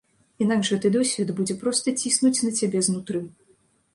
Інакш гэты досвед будзе проста ціснуць на цябе знутры.